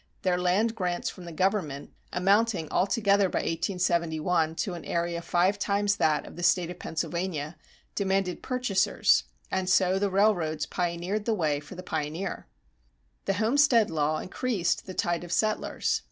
Their land grants from the government, amounting altogether by 1871 to an area five times that of the State of Pennsylvania, demanded purchasers, and so the railroads pioneered the way for the pioneer. The homestead law increased the tide of settlers.